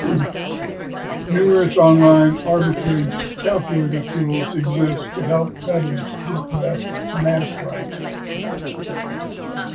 Numerous online arbitrage calculator tools exist to help bettors get the math right.